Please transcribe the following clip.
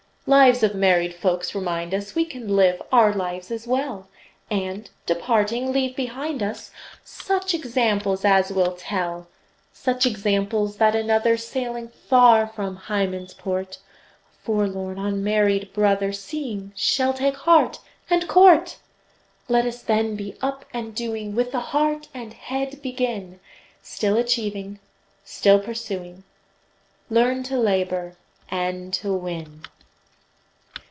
Lives of married folks remind us We can live our lives as well, And, departing, leave behind us; Such examples as will tell; Such examples, that another, Sailing far from Hymen's port, A forlorn, unmarried brother, Seeing, shall take heart, and court. Let us then be up and doing, With the heart and head begin; Still achieving, still pursuing, Learn to labor, and to win!